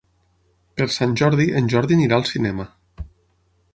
Per Sant Jordi en Jordi anirà al cinema.